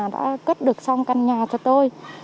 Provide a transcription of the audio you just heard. đã cất được xong căn nhà cho tôi